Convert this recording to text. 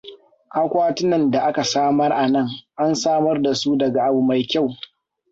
Akwatinan da ka samar anan an samar da su daga abu mai kyau.